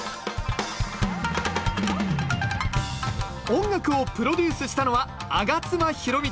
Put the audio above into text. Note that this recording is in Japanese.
音楽をプロデュースしたのは上妻宏光さん。